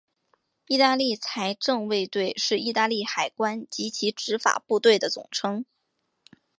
意大利财政卫队是意大利海关及其执法部队的总称。